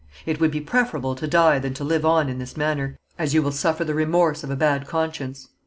It would be preferable to die than to live on in this manner, as you will suffer the remorse of a bad conscience."